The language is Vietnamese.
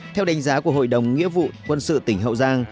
theo đánh giá của hội đồng nghĩa vụ quân sự tỉnh hậu giang